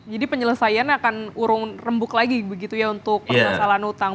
jadi penyelesaian akan urung rembuk lagi begitu ya untuk permasalahan hutang